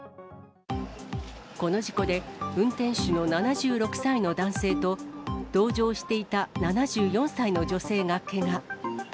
この事故で、運転手の７６歳の男性と同乗していた７４歳の女性がけが。